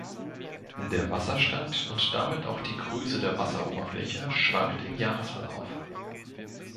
Der Wasserstand und damit auch die Größe der Wasseroberfläche schwankt im Jahresverlauf.